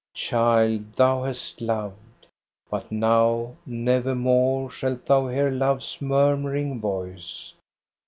" Child, thou hast loved, but now nevermore Shalt thou hear love's murmuring voice.